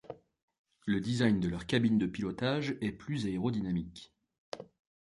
Le design de leur cabine de pilotage est plus aérodynamique.